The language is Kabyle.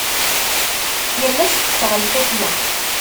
Yal ass tetteɣ lfakya.